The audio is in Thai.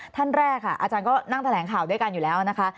ท่านแรกค่ะอาจารย์ก็นั่งแถลงข่าวด้วยกันอยู่แล้วนะคะ